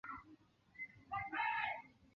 学校怪谈也是都市传说的一种。